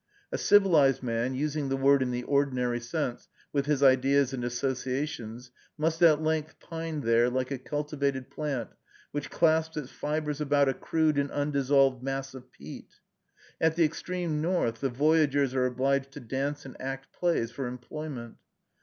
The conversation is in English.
A civilized man, using the word in the ordinary sense, with his ideas and associations, must at length pine there, like a cultivated plant, which clasps its fibres about a crude and undissolved mass of peat. At the extreme north, the voyagers are obliged to dance and act plays for employment.